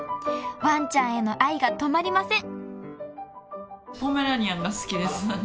［ワンちゃんへの愛が止まりません］